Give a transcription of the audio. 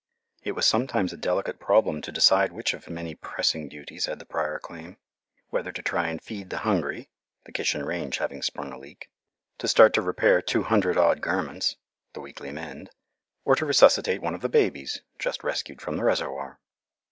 It was sometimes a delicate problem to decide which of many pressing duties had the prior claim. Whether to try and feed the hungry (the kitchen range having sprung a leak), to start to repair two hundred odd garments (the weekly mend), or to resuscitate one of the babies (just rescued from the reservoir).